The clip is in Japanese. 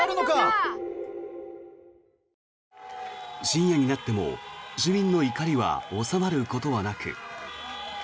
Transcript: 深夜になっても市民の怒りは収まることはなく。